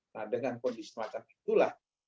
nah dengan kondisi semacam itulah